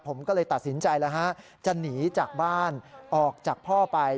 ผมก็เลยตัดสินใจแล้วฮะจะหนีจากบ้านออกจากพ่อไป